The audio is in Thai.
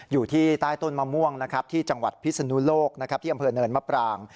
อยู่ที่ใต้ต้นมะม่วงที่จังหวัดพิษณุโลกที่อำเภอเนินมปร่าง